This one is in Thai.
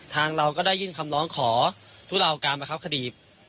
เราก็ได้ยื่นคำร้องขอทุเลาการประคับคดี